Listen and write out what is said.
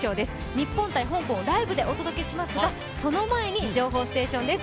日本×香港をライブでお届けしますが、その前に情報ステーションです。